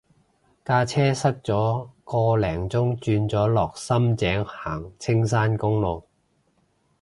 架車塞咗個零鐘轉咗落深井行青山公路